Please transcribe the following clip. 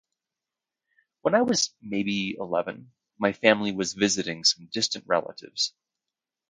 When I was maybe eleven, my family was visiting some distant relatives.